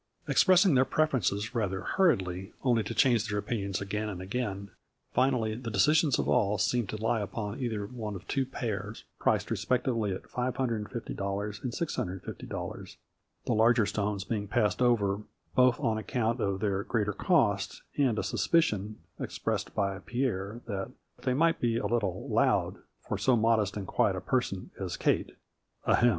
Expressing their preferences rather hurriedly, only to change their opinions again and again, finally the de cisions of all seemed to lie upon either one of two pairs, priced respectively at $550 and $650, the larger stones being passed over both on ac count of their greater cost and a suspicion, ex pressed by Pierre, that " they might be a little ' loud ' for so modest and quiet a person as Kate, ahem."